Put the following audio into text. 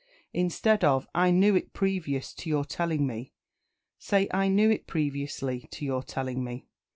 Instead of "I knew it previous to your telling me," say "I knew it previously to your telling me."